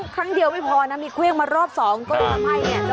ครั้งเดียวไม่พอนะมีเครื่องมารอบสองก็เลยทำให้เนี่ย